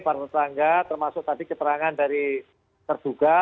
paru paru terangga termasuk tadi keterangan dari terduga